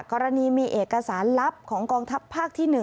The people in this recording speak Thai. กรณีมีเอกสารลับของกองทัพภาคที่๑